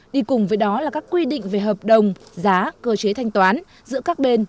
đi cùng với đó là các quy định về hợp đồng giá cơ chế thanh toán giữa các bên